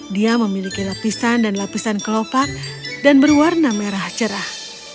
dia memiliki lapisan dan lapisan kelopak dan berwarna merah cerah